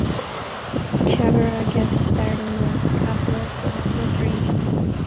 Chavira guest starred in the "Castle" episode "At Close Range".